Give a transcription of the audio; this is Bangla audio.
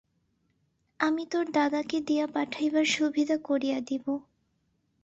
আমি তাের দাদাকে দিয়া পাঠাইবার সুবিধা করিয়া দিব।